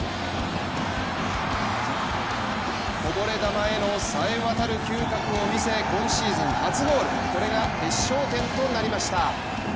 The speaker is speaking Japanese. こぼれ球へのさえ渡る嗅覚を見せ今シーズン初ゴール、これが決勝点となりました。